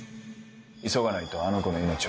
急がないとあの子の命はない。